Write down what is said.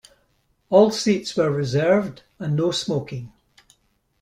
All seats were reserved and no-smoking.